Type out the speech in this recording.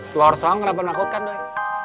telur soang kenapa menakutkan doi